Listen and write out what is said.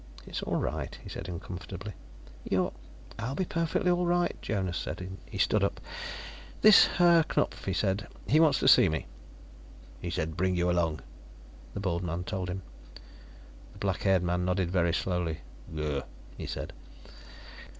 "It's all right," he said uncomfortably. "You're " "I'll be perfectly all right," Jonas said. He stood up. "This Herr Knupf," he said. "He wants to see me?" "He said bring you along," the bald man told him. The black haired man nodded very slowly. "Gur," he said.